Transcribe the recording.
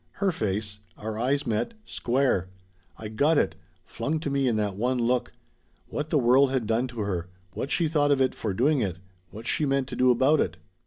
Her face. Our eyes met square. I got it flung to me in that one look. What the world had done to her what she thought of it for doing it what she meant to do about it.